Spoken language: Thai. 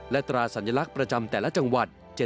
และตราสัญลักษณ์ประจำแต่ละจังหวัด